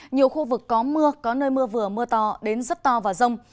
nhiều khu vực có mưa có nơi mưa vừa mưa to đến rất to và rông